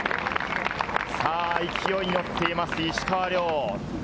勢いにのっています、石川遼。